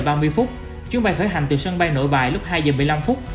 trong ba mươi phút chuyến bay khởi hành từ sân bay nội bài lúc hai giờ một mươi năm phút